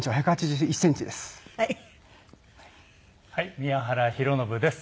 宮原浩暢です。